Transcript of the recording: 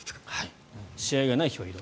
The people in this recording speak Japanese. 試合がない日は移動。